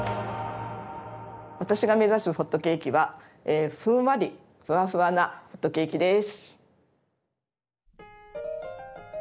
私が目指すホットケーキはふんわりふわふわなホットケーキです。